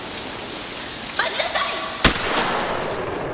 待ちなさい！